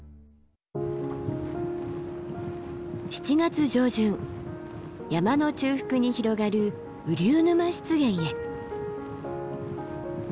７月上旬山の中腹に広がる雨竜沼湿原へ。